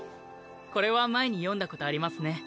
これは前に読んだことありますね。